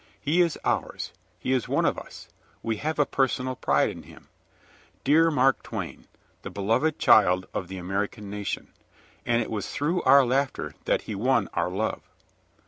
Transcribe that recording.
He is ours, he is one of us, we have a personal pride in him dear "Mark Twain," the beloved child of the American nation. And it was through our laughter that he won our love.